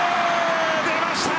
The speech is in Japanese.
出ました！